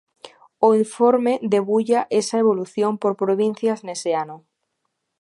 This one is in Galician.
O informe debulla esa evolución por provincias nese ano.